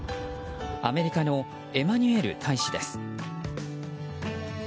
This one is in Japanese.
アメリカのエマニュエル大使です。